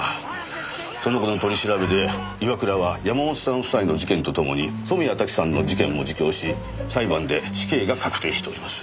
その後の取り調べで岩倉は山本さん夫妻の事件と共に染谷タキさんの事件も自供し裁判で死刑が確定しております。